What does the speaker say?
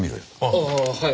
ああはい。